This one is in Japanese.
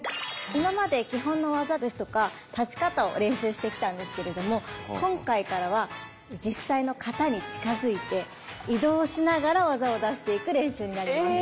今まで基本の技ですとか立ち方を練習してきたんですけれども今回からは実際の形に近づいて移動しながら技を出していく練習になります。